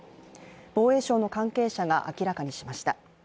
防衛省の関係者が明らかにしました。